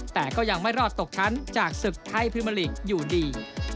แต่ก็ยังไม่รอดตกชั้นจากศึกไทยพรีเมอร์ลีกอยู่ดี